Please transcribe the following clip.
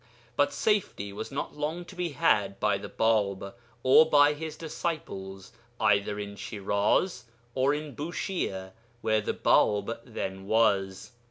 But safety was not long to be had by the Bāb or by his disciples either in Shiraz or in Bushire (where the Bāb then was).